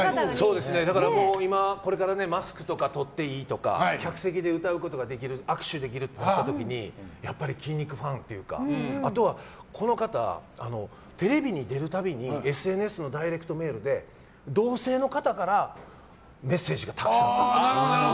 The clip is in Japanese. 今、これからマスクとかとっていいとか客席で歌うことができる握手できるとなった時にやっぱり筋肉ファンというかあとは、この方テレビに出る度にＳＮＳのダイレクトメールで同性の方からメッセージがたくさん来る。